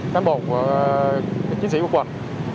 các bộ chính sĩ quận